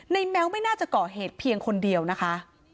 แม้วไม่น่าจะก่อเหตุเพียงคนเดียวนะคะ